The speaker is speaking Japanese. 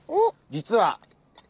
実は。